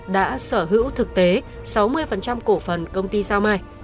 đã sở hữu thực tế sáu mươi cổ phần công ty sao mai